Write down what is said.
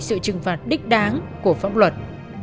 sự trừng phạt đích đáng của pháp luật